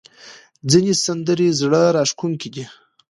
ځینې سندرې زړه راښکونکې دي.